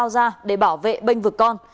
yrút đã cầm dao ra để bảo vệ bênh vực con